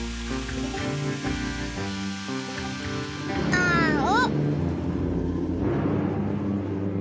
あお。